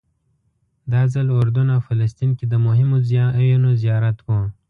دا ځل اردن او فلسطین کې د مهمو ځایونو زیارت و.